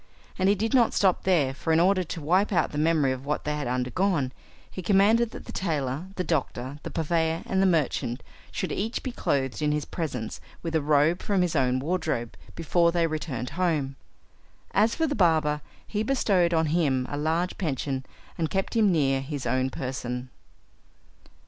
And he did not stop there; for in order to wipe out the memory of what they had undergone, he commanded that the tailor, the doctor, the purveyor and the merchant, should each be clothed in his presence with a robe from his own wardrobe before they returned home. As for the barber, he bestowed on him a large pension, and kept him near his own person.